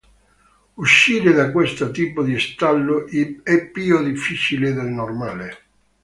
Uscire da questo tipo di stallo è più difficile del normale.